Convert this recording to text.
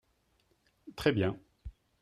Très bien